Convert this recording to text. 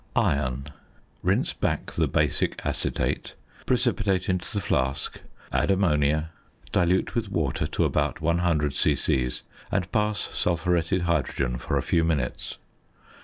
~Iron.~ Rinse back the "basic acetate," precipitate into the flask, add ammonia, dilute with water to about 100 c.c., and pass sulphuretted hydrogen for a few minutes.